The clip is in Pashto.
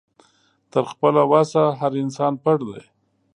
تر خپله وسه هر انسان پړ دی